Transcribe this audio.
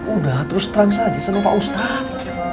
udah terus trans aja sama pak ustaz